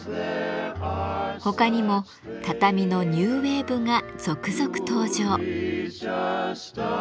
他にも畳のニューウエーブが続々登場。